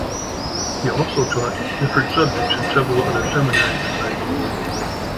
He also taught different subjects in several other seminaries in Bangalore.